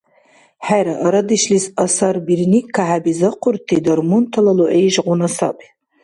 ХӀера, арадешлис асарбирни кахӀебизахъурти дармунтала лугӀи ишгъуна саби.